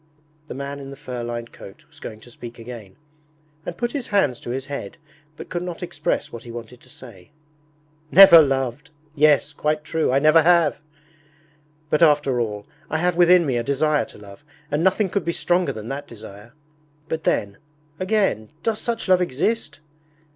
The man in the fur lined coat was going to speak again, and put his hands to his head, but could not express what he wanted to say. 'Never loved! ... Yes, quite true, I never have! But after all, I have within me a desire to love, and nothing could be stronger than that desire! But then, again, does such love exist?